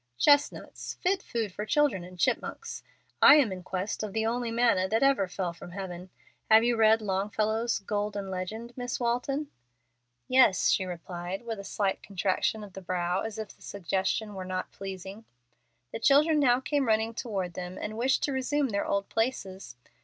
"Chestnuts! Fit food for children and chipmonks. I am in quest of the only manna that ever fell from heaven. Have you read Longfellow's 'Golden Legend,' Miss Walton?" "Yes," she replied, with a slight contraction of the brow as if the suggestion were not pleasing. The children now came running toward them and wished to resume their old places.